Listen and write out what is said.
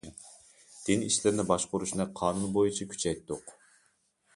دىن ئىشلىرىنى باشقۇرۇشنى قانۇن بويىچە كۈچەيتتۇق.